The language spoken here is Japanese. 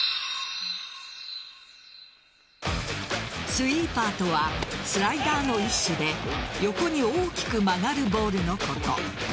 スイーパーとはスライダーの一種で横に大きく曲がるボールのこと。